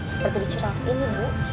seperti di chiraus ini bu